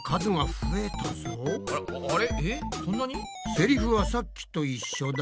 セリフはさっきと一緒だ。